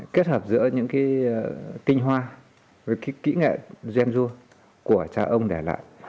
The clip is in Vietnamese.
kết hợp giữa những kinh hoa với kỹ nghệ gen dua của cha ông để lại